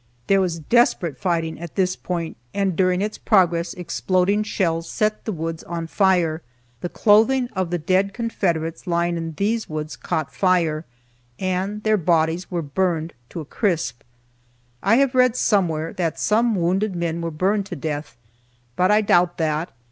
There was desperate fighting at this point, and during its progress exploding shells set the woods on fire. The clothing of the dead Confederates lying in these woods caught fire, and their bodies were burned to a crisp. I have read, somewhere, that some wounded men were burned to death, but I doubt that.